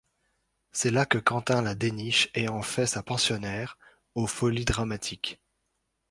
C'est là que Cantin la déniche et en fait sa pensionnaire, aux Folies-Dramatiques.